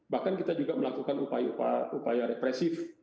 bahkan kita juga melakukan upaya upaya represif